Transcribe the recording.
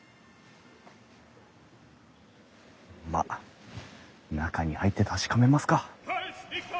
まっ中に入って確かめますか。